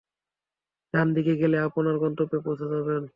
ডানদিকে গেলেই আপনার গন্তব্যে পৌঁছে যাবেন।